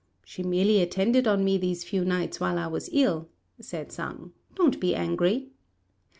"She merely attended on me these few nights while I was ill," said Sang; "don't be angry."